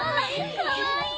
かわいい！